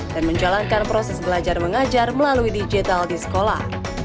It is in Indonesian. dan menjalankan proses belajar mengajar melalui digital di sekolah